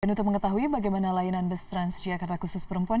dan untuk mengetahui bagaimana layanan bus transjakarta khusus perempuan